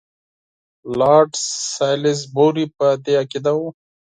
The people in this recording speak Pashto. لارډ سالیزبوري په دې عقیده وو.